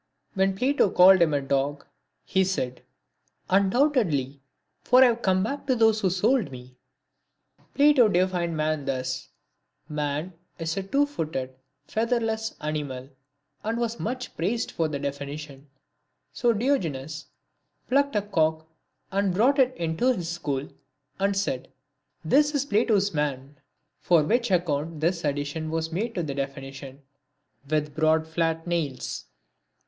When Plato called him a dog, he said, " Un doubtedly, for I have come back to those who sold me." Plato denned man thus :" Man is a two footed, featherless animal," and was much praised for the definition ; so Diogenes plucked a cock and brought it into his school, and said, "This is Plato's man." On which account this addition was made to the definition, " With broad flat nails."